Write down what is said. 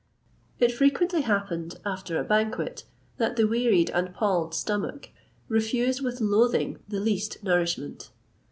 [XXVIII 153] It frequently happened, after a banquet, that the wearied and palled stomach refused with loathing the least nourishment.